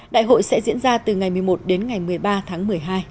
đại hội sẽ diễn ra từ ngày một mươi một đến ngày một mươi ba tháng một mươi hai